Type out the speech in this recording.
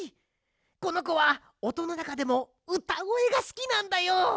このこはおとのなかでもうたごえがすきなんだよ！